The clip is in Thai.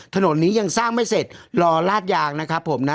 ถนนนี้ยังสร้างไม่เสร็จรอลาดยางนะครับผมนะ